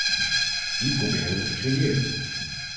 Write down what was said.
Die proberen we te creëren.